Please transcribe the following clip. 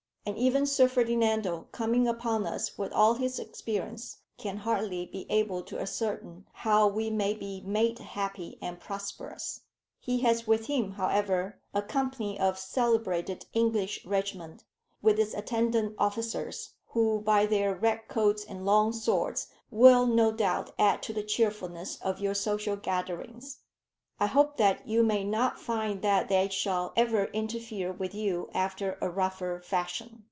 And even Sir Ferdinando coming upon us with all his experience, can hardly be able to ascertain how we may be made happy and prosperous. He has with him, however, a company of a celebrated English regiment, with its attendant officers, who, by their red coats and long swords, will no doubt add to the cheerfulness of your social gatherings. I hope that you may not find that they shall ever interfere with you after a rougher fashion.